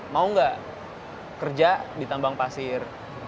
mau nggak kerja di tambang pasir